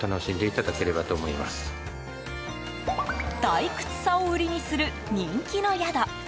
退屈さを売りにする人気の宿。